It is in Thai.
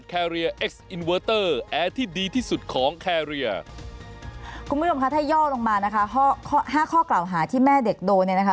คุณผู้ชมค่ะถ้าย่อลงมานะคะ๕ข้อกล่าวหาที่แม่เด็กโดนนะคะ